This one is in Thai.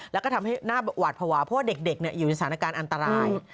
แล้วก็ทำให้หน้าหวาดภาวะเพราะว่าเด็กอยู่ในสถานการณ์อันตราย